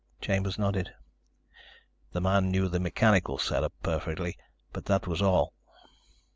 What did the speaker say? Chambers nodded. "The man knew the mechanical setup perfectly, but that was all."